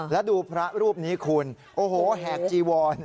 แล้วดูพระรูปนี้คุณโอ้โหแหกจีวร